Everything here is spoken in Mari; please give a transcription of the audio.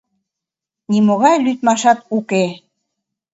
— Нимогай лӱдмашат уке...